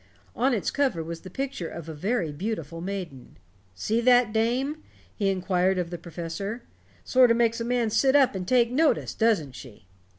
On its cover was the picture of a very beautiful maiden. "See that dame?" he inquired of the professor. "Sort of makes a man sit up and take notice, doesn't she?